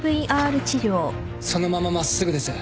そのまま真っすぐです